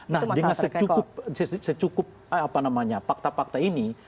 nah dengan secukup pakta pakta ini